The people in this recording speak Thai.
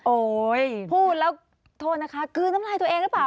พูดแล้วโทษนะคะกลืนน้ำลายตัวเองหรือเปล่า